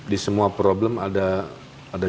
di semua problem ada